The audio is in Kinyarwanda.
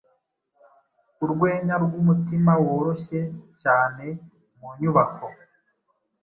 Urwenya rwumutima woroshye cyane mu nyubako